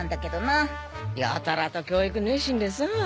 やたらと教育熱心でさあ。